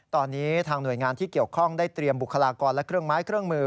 ตอนนี้ทางหน่วยงานที่เกี่ยวข้องได้เตรียมบุคลากรและเครื่องไม้เครื่องมือ